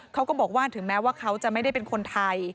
เขาก็บอกว่าถึงแม้ว่าเขาจะไม่ได้เป็นคนไทย